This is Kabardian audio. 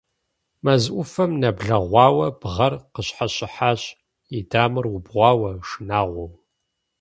Мэз Ӏуфэм нэблэгъуауэ Бгъэр къащхьэщыхьащ, и дамэр убгъуауэ, шынагъуэу.